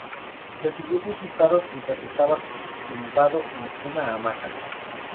Recibió diez disparos mientras estaba tumbado en una hamaca.